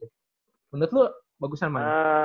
menurut lu bagusan mana